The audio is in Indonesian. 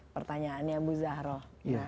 pertanyaannya bu zahroh